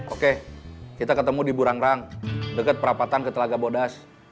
oke kita ketemu di burangrang dekat perapatan ke telaga bodas